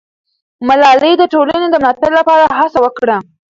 ملالۍ د ټولنې د ملاتړ لپاره هڅه وکړه.